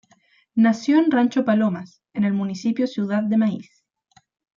Nació en Rancho Palomas, en el municipio Ciudad de Maíz.